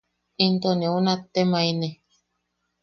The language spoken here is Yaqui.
Into neu nattemaene.